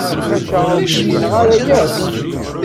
Maca ur k-ssineɣ ara akk.